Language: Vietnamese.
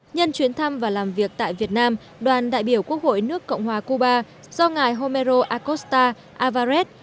nhân chuyến thăm và làm việc tại việt nam đoàn đại biểu quốc hội nước cộng hòa cuba do ngài homero acosta alvarez